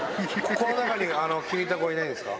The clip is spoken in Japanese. この中に気に入った子はいないんですか？